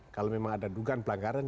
kalau memang ada dugaan pelanggaran